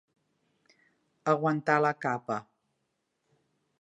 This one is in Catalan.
Aguantar la capa.